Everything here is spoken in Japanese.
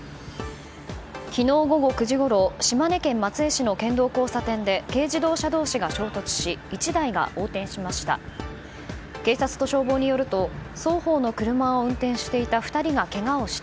昨日午後９時ごろ島根県松江市の県道の交差点で軽自動車同士が衝突し１台が横転しました。